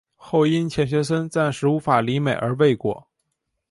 后因钱学森暂时无法离美而未果。